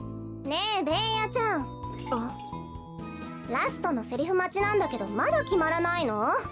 ラストのセリフまちなんだけどまだきまらないの？